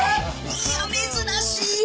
いや珍しい。